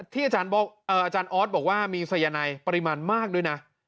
ที่อาจารย์ออสบอกว่ามีสายนายปริมาณมากด้วยนะ